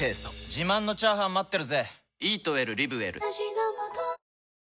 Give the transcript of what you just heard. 自慢のチャーハン待ってるぜ！